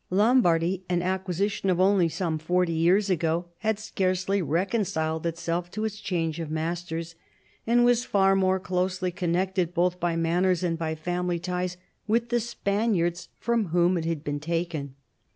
Lombardy, an acquisition of only some forty years ago, had scarcely reconciled itself to its change of masters, and was far more closely connected, both by manners and by family ties, with the Spaniards, from wliom it had been taken.